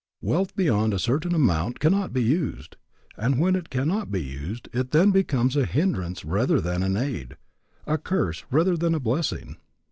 Wealth beyond a certain amount cannot be used, and when it cannot be used it then becomes a hindrance rather than an aid, a curse rather than a blessing.